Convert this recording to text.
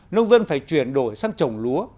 nông dân phải chuyển đổi sang trồng lúa